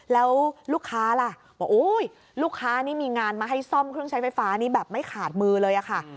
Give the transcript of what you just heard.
แล้วลูกค้าล่ะบอกอุ้ยลูกค้านี่มีงานมาให้ซ่อมเครื่องใช้ไฟฟ้านี่แบบไม่ขาดมือเลยค่ะ